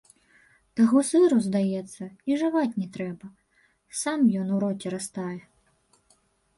Таго сыру, здаецца, і жаваць не трэба, сам ён у роце растае.